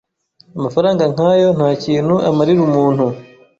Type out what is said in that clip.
amafaranga nkayo nta kintu amarira umuntu